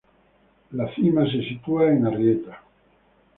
La cima se sitúa en Arrieta.